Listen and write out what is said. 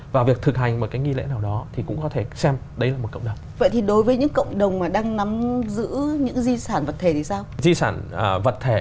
vật thể thì sao di sản vật thể